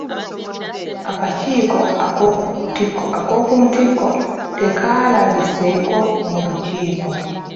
Akakiiko akokuntikko tekaalabiseeko mu lukiiko.